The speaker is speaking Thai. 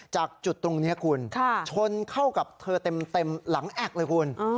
จากจุดตรงนี้คุณชนเข้ากับเธอเต็มหลังแอคเลยคุณ